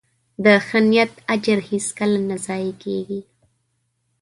د ښه نیت اجر هیڅکله نه ضایع کېږي.